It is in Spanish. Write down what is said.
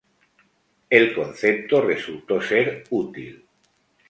El concepto resultó ser útil.